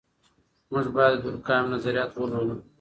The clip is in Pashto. موږ باید د دورکهایم نظریات ولولو.